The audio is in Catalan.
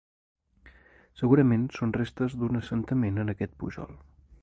Segurament són restes d'un assentament en aquest pujol.